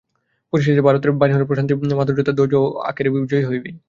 পরিশেষে ভারতের বাণী হইল প্রশান্তি সাধুতা ধৈর্য ও মৃদুতা আখেরে জয়ী হইবেই।